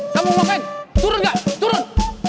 kamu mau ngapain turun ga turun